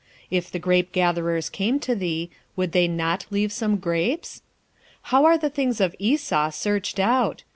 if the grapegatherers came to thee, would they not leave some grapes? 1:6 How are the things of Esau searched out!